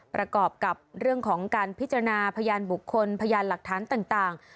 ประกอบกับเรื่องของการพิจารณาพยานบุคคลพยานหลักฐานต่าง